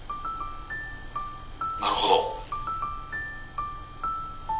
「なるほど」。